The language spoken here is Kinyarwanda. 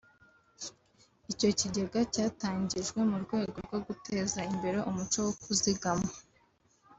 Icyo kigega cyatangijwe mu rwego rwo guteza imbere umuco wo kuzigama